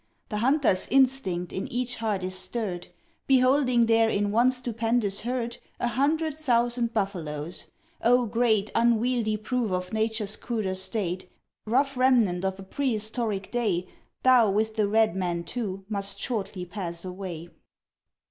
The hunter's instinct in each heart is stirred, Beholding there in one stupendous herd A hundred thousand buffaloes. Oh great Unwieldy proof of Nature's cruder state, Rough remnant of a prehistoric day, Thou, with the red man, too, must shortly pass away.